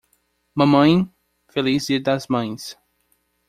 Mamãe, feliz dia das mães!